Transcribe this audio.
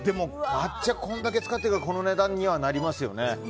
抹茶これだけ使ってるからこの値段にはなりますよね。